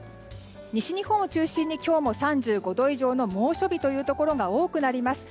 西日本を中心に今日も３５度以上の猛暑日というところが多くなります。